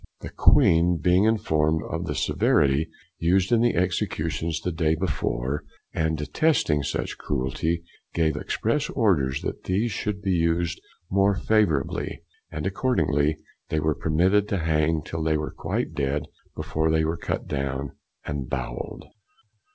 The Queen being informed of the severity used in the executions the day before, and detesting such cruelty, gave express orders that these should be used more favourably; and accordingly they were permitted to hang till they were quite dead before they were cut down and bowell'd.